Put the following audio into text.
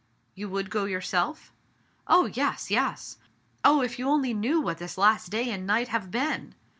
'* "You would go yourself?" "Oh, yes, yes ! Oh, if you only knew what this last day and night have been